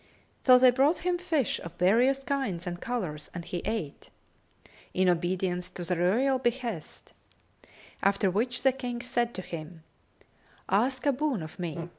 So they brought him fish of various kinds and colours and he ate, in obedience to the royal behest; after which the King said to him, "Ask a boon of me."